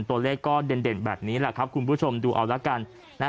ตัวเลขก็เด่นแบบนี้แหละครับคุณผู้ชมดูเอาละกัน